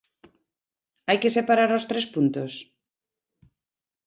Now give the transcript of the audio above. ¿Hai que separar os tres puntos?